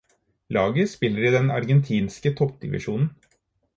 Laget spiller i den argentinske toppdivisjonen.